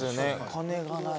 鐘がない。